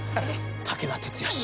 武田鉄矢史。